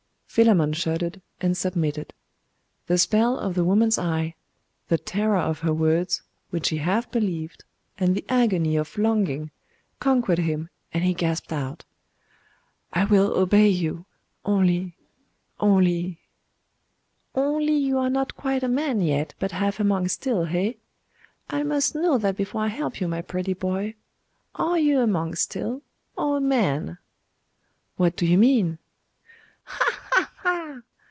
Philammon shuddered, and submitted. The spell of the woman's eye, the terror of her words, which he half believed, and the agony of longing, conquered him, and he gasped out 'I will obey you only only ' 'Only you are not quite a man yet, but half a monk still, eh? I must know that before I help you, my pretty boy. Are you a monk still, or a man?' 'What do you mean?' 'Ah, ha, ha!